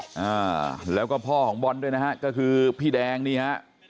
อ่าแล้วก็พ่อของบอลด้วยนะฮะก็คือพี่แดงนี่ฮะ